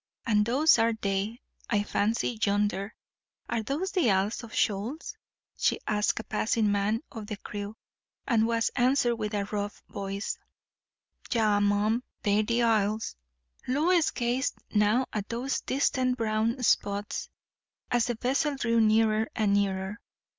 And those are they, I fancy, yonder. Are those the Isles of Shoals?" she asked a passing man of the crew; and was answered with a rough voiced, "Yaw, mum; they be th' oisles." Lois gazed now at those distant brown spots, as the vessel drew nearer and nearer.